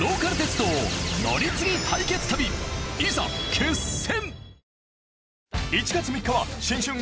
いざ決戦！